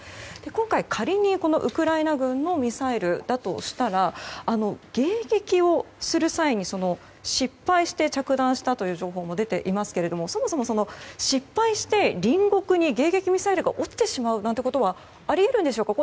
今回仮に、ウクライナ軍のミサイルだとしたら迎撃をする際に失敗して着弾したという情報も出ていますけどそもそも失敗して隣国に迎撃ミサイルが落ちてしまうなんてことはあり得るんでしょうか？